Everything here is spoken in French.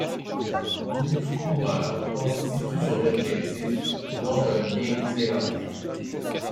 Douze coureurs constituent son effectif, dont un Néo-Zélandais.